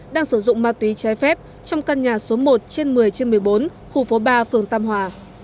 đang sử dụng ma túy trái phép trong căn nhà số một trên một mươi trên một mươi bốn khu phố ba phường tam hòa